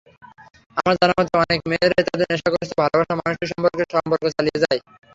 আমার জানামতে, অনেক মেয়েরাই তাদের নেশাগ্রস্থ ভালোবাসার মানুষটির সঙ্গে সম্পর্ক চালিয়ে যায়।